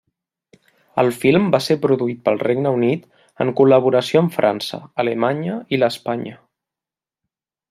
El film va ser produït pel Regne Unit en col·laboració amb França, Alemanya i l'Espanya.